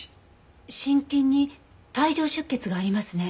心筋に帯状出血がありますね。